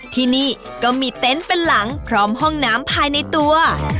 ที่นี่ก็มีเต็นต์เป็นหลังพร้อมห้องน้ำภายในตัว